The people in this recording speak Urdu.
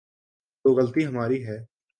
تو غلطی ہماری ہے۔